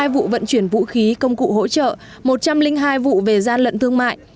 hai vụ vận chuyển vũ khí công cụ hỗ trợ một trăm linh hai vụ về gian lận thương mại